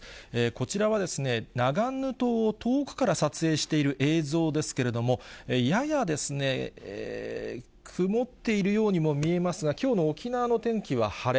こちらはナガンヌ島を遠くから撮影している映像ですけれども、ややですね、曇っているようにも見えますが、きょうの沖縄の天気は晴れ。